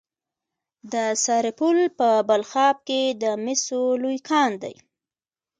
د سرپل په بلخاب کې د مسو لوی کان دی.